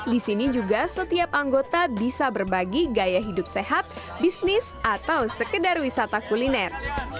di sini juga setiap anggota bisa berbagi gaya hidup sehat bisnis atau sekedar wisata kuliner